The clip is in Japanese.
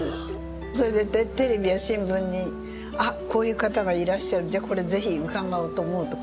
それでテレビや新聞にあっこういう方がいらっしゃるじゃあこれぜひ伺おうと思うとこう調べて。